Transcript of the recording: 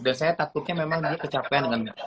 dan saya takutnya memang dia kecapean dengan